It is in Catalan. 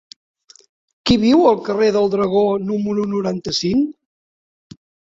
Qui viu al carrer del Dragó número noranta-cinc?